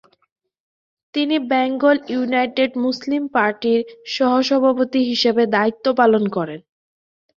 তিনি Bengal United Muslim পার্টির সহ-সভাপতি হিসেবে দায়িত্ব পালন করেন।